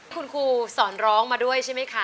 คุณครูสอนร้องมาด้วยใช่ไหมคะ